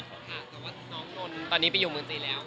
แต่ว่าน้องนนตอนนี้ไปอยู่เมือง๔แล้ว